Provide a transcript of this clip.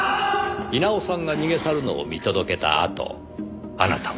稲尾さんが逃げ去るのを見届けたあとあなたは。